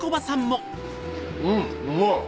うんうまい。